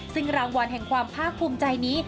ซึ่งรางวัลแห่งความภาคภูมิใจนี้